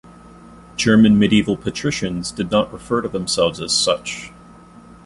German medieval patricians did not refer to themselves as such.